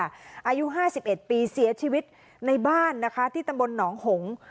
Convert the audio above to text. อายุห้าสิบเอ็ดปีเสียชีวิตในบ้านนะคะที่ตำรวจหนองหงค์